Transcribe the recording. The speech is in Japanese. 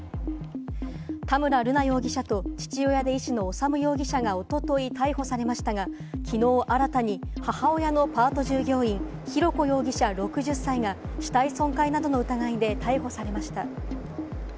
田村瑠奈容疑者と、父親で医師の修容疑者がおととい逮捕されましたが、きのう新たに母親のパート従業員、浩子容疑者、６０歳が死体損壊などの疑いで逮捕されました。